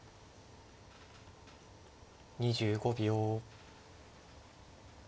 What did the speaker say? ２５秒。